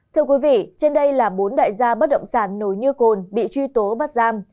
thưa quý vị trên đây là bốn đại gia bất động sản nổi như cồn bị truy tố bắt giam